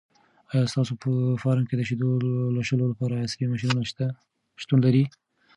آیا ستاسو په فارم کې د شیدو لوشلو لپاره عصري ماشینونه شتون لري؟